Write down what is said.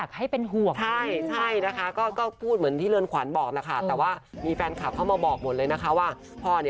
เขาอาจจะไปให้อยากให้เป็นห่วง